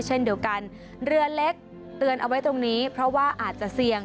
เช่นเดียวกันเรือเล็กเตือนเอาไว้ตรงนี้เพราะว่าอาจจะเสี่ยง